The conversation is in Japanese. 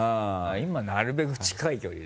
今なるべく近い距離で。